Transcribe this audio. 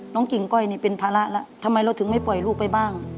กิ่งก้อยนี่เป็นภาระแล้วทำไมเราถึงไม่ปล่อยลูกไปบ้าง